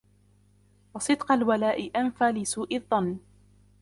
وَصِدْقَ الْوَلَاءِ أَنْفَى لِسُوءِ الظَّنِّ